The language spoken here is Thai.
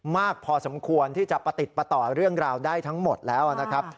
มากพอสมควรที่จะประติดประต่อเรื่องราวได้ทั้งหมดแล้วนะครับ